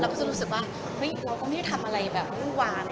ก็จะรู้สึกว่าเฮ้ยเราก็ไม่ได้ทำอะไรแบบวุ่นวาน